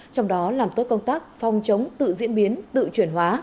trong đó làm tốt công tác phòng chống tự diễn biến tự chuyển hóa